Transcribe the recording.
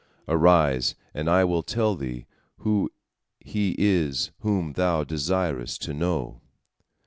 Arise, and I will tell thee who he is whom thou desirest to know.